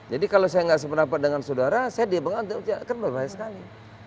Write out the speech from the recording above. jadi kalau saya enggak sependapat dengan saudara saya dibegakkan kan berbahaya sekali